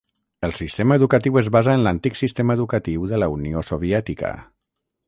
El sistema educatiu es basa en l'antic sistema educatiu de la Unió Soviètica.